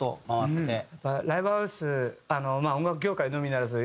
ライブハウス音楽業界のみならず。